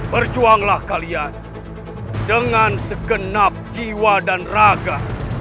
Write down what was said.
berjuanglah kalian dengan segenap jiwa dan raga